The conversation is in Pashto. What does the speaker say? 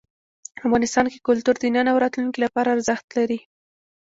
افغانستان کې کلتور د نن او راتلونکي لپاره ارزښت لري.